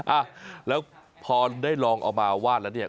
อ่ะแล้วพอได้ลองเอามาวาดแล้วเนี่ย